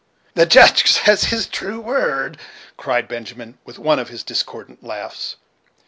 "The Judge says the true word," cried Benjamin, with one of his discordant laughs.